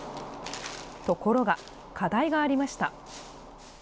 ところが、課題がありました。